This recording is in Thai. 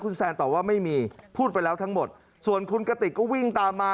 คุณแซนตอบว่าไม่มีพูดไปแล้วทั้งหมดส่วนคุณกติกก็วิ่งตามมา